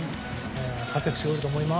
活躍してくれると思います。